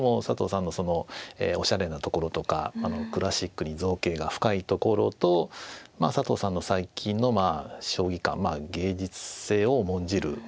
佐藤さんのおしゃれなところとかクラシックに造詣が深いところと佐藤さんの最近の将棋観芸術性を重んじる。